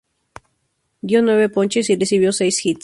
Dio nueve ponches y recibió seis hits.